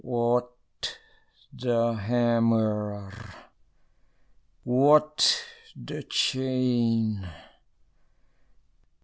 What the hammer? what the chain?